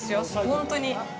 本当に。